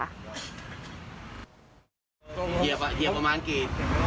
เหยียบเหยียบประมาณกี่